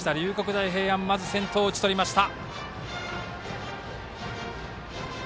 大平安先頭を打ち取りました。